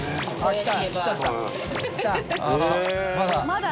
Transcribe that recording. まだ。